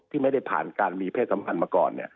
ที่ไม่ได้ผ่านการมีเพศสัมพันธ์มาก่อน